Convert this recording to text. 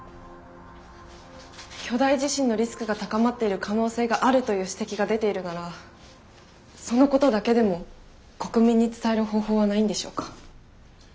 巨大地震のリスクが高まっている可能性があるという指摘が出ているならそのことだけでも国民に伝える方法はないんでしょうか？